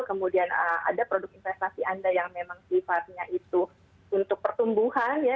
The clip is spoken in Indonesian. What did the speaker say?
kemudian ada produk investasi anda yang memang sifatnya itu untuk pertumbuhan ya